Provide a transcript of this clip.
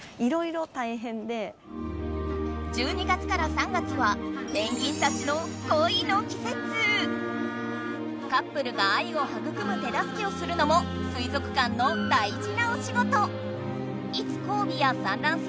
１２月から３月はペンギンたちのカップルが愛をはぐくむ手だすけをするのも水族館のだいじなおしごと。